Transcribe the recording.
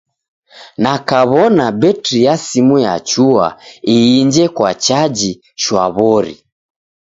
Na kaw'ona betri ya simu yachua, iinje kwa chaji shwaw'ori.